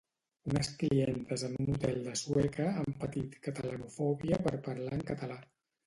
Unes clientes en un hotel de Sueca han patit catalanofòbia per parlar en català